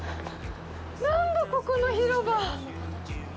何だ、ここの広場。